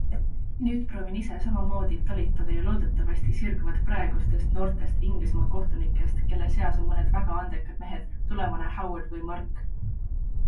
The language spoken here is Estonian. Nüüd proovin ise samamoodi talitada ja loodetavasti sirguvad praegustest noortest Inglismaa kohtunikest, kelle seas on mõned väga andekad mehed, tulevane Howard või Mark.